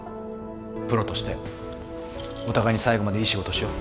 プロとしてお互いに最後までいい仕事をしよう。